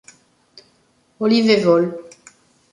Olive vol.